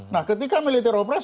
nah ketika military operation